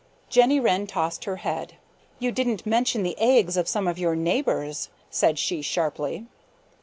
Jenny Wren tossed her head. "You didn't mention the eggs of some of your neighbors," said she sharply.